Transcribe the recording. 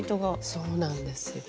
そうなんです。